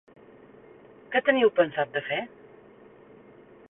Què teniu pensat de fer?